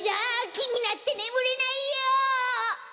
きになってねむれないよ！